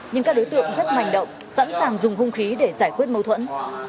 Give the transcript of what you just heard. nhưng các đối tượng rất mạnh động sẵn sàng dùng hung khí để giải quyết mâu thuẫn